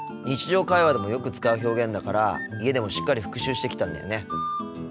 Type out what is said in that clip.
日常会話でもよく使う表現だから家でもしっかり復習してきたんだよね。